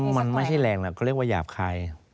มันไม่ใช่แรงนะเขาเรียกว่าหยาบคาย